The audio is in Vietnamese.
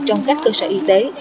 trong các cơ sở y tế